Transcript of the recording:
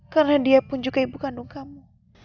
karena dia pun juga ibu kandung kamu